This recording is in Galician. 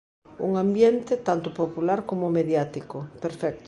Un ambiente, tanto popular como mediático, perfecto.